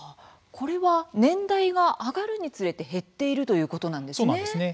これは年代が上がるにつれて減っているということなんですね。